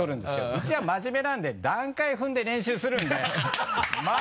うちは真面目なんで段階踏んで練習するんで。